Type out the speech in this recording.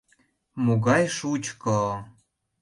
— Могай шучко-о!